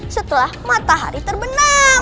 setelah matahari terbenam